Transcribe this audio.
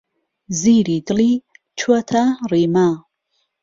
زیری دڵی چووەتە ڕیما.